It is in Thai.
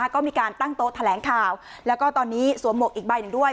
ก็มีการตั้งโต๊ะแถลงข่าวแล้วก็ตอนนี้สวมหมวกอีกใบหนึ่งด้วย